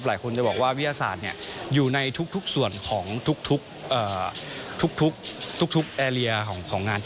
หลายคนจะบอกว่าวิทยาศาสตร์อยู่ในทุกส่วนของทุกแอร์เรียของงาน